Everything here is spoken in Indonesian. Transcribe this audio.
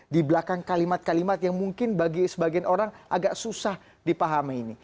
di belakang kalimat kalimat yang mungkin bagi sebagian orang agak susah dipahami ini